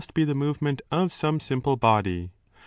2 260" be the movement of some simple body."